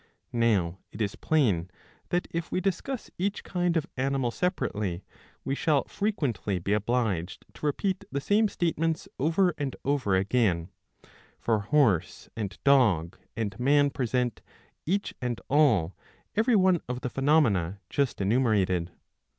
Now it is plain that if we discuss each kind of animal separately, we shall frequently be obliged to repeat the same statements over and over again ; for horse and dog and man present, each and all, every one of the phenomena just enumerated.